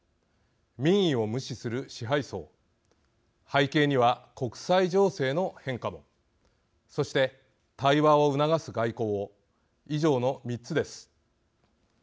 民意を無視する支配層背景には国際情勢の変化もそして、対話を促す外交を以上の３つです。